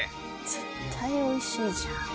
絶対おいしいじゃん。